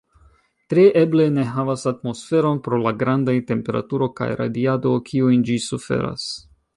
Tre eble ne havas atmosferon pro la grandaj temperaturo kaj radiado kiujn ĝi suferas.